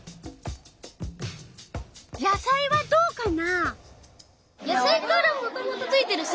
野菜はどうかな？